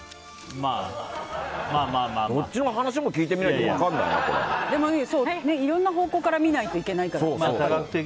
こっちの話も聞いてみないとでも、いろんな方向から見ないといけないから。